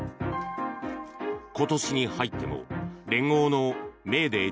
今年に入っても連合のメーデー